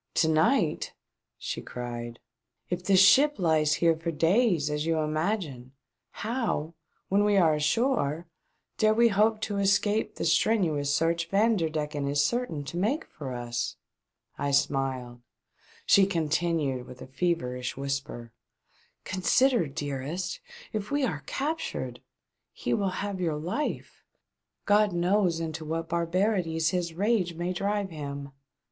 "To night !" she cried. "If this ship lies here for days, as you imagine, how, when we are ashore, dare we hope to escape the strenuous search Vanderdecken is certain to make for us .'*" I smiled ; she continued, with a feverish whisper :" Consider, dearest ! If we are captured — he will have your life ' God knows into what barbarities his rage may drive him !"